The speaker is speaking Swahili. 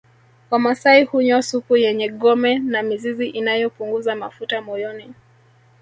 Wamasai hunywa supu yenye gome na mizizi inayopunguza mafuta moyoni